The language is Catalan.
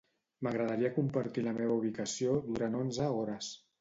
M'agradaria compartir la meva ubicació durant onze hores.